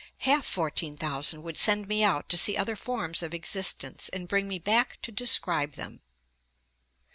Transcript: Half fourteen thousand would send me out to see other forms of existence, and bring me back to describe them.'